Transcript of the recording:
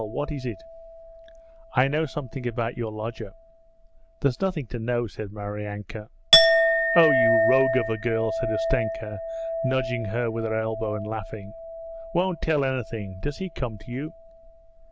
'Well, what is it?' 'I know something about your lodger!' 'There's nothing to know,' said Maryanka. 'Oh, you rogue of a girl!' said Ustenka, nudging her with her elbow and laughing. 'Won't tell anything. Does he come to you?'